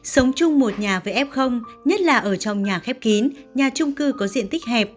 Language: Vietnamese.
sống chung một nhà vệ f nhất là ở trong nhà khép kín nhà trung cư có diện tích hẹp